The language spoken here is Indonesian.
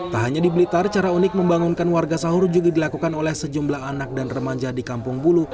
tak hanya di blitar cara unik membangunkan warga sahur juga dilakukan oleh sejumlah anak dan remaja di kampung bulu